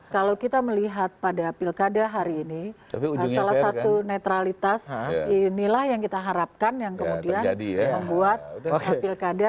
kalau kita melihat pada pilkada hari ini salah satu netralitas inilah yang kita harapkan yang kemudian membuat pilkada